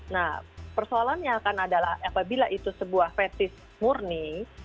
nah persoalannya kan adalah apabila itu sebuah fetis murni